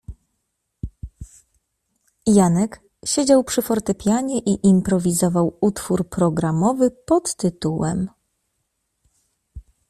Janek siedział przy fortepianie i improwizował utwór programowy pt.